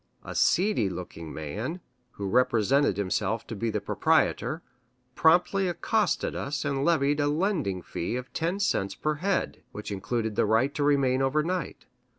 A seedy looking man, who represented himself to be the proprietor, promptly accosted us and levied a "landing fee" of ten cents per head, which included the right to remain over night.